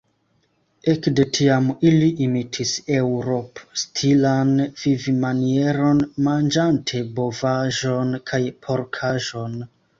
Ekde tiam ili imitis eŭropstilan vivmanieron, manĝante bovaĵon kaj porkaĵon.